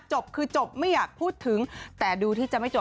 จบคือจบไม่อยากพูดถึงแต่ดูที่จะไม่จบ